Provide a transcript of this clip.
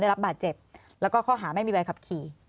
รับบาดเจ็บแล้วก็ข้อหาไม่มีใบขับขี่